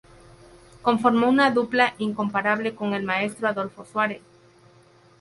Conformó una dupla incomparable con el maestro Adolfo Suárez.